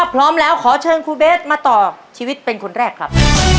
พร้อมแล้วขอเชิญครูเบสมาต่อชีวิตเป็นคนแรกครับ